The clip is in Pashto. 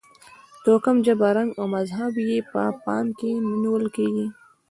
توکم، ژبه، رنګ او مذهب یې په پام کې نه نیول کېږي.